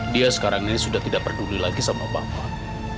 dia sekarang ini sudah tidak peduli lagi sama bapak